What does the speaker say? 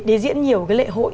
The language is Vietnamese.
để diễn nhiều cái lễ hội